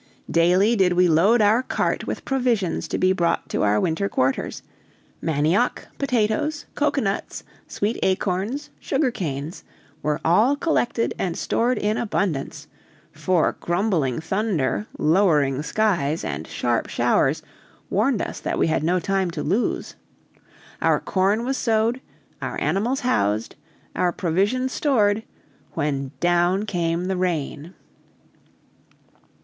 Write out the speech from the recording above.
Daily did we load our cart with provisions to be brought to our winter quarters: manioc, potatoes, cocoanuts, sweet acorns, sugar canes, were all collected and stored in abundance for grumbling thunder, lowering skies, and sharp showers warned us that we had no time to lose. Our corn was sowed, our animals housed, our provisions stored, when down came the rain.